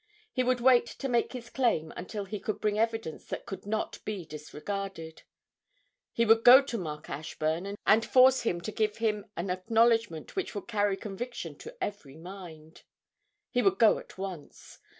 He would wait to make his claim until he could bring evidence that could not be disregarded he would go to Mark Ashburn and force him to give him an acknowledgment which would carry conviction to every mind. He would go at once.